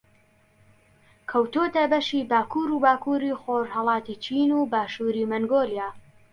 کەوتووەتە بەشی باکوور و باکووری خۆڕھەڵاتی چین و باشووری مەنگۆلیا